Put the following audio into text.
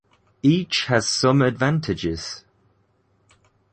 Each has some advantages.